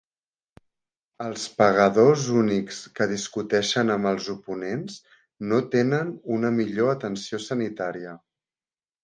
Els pagadors únics que discuteixen amb els oponents no tenen una millor atenció sanitària.